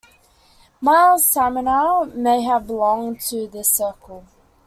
Miles Symner may have belonged to this circle.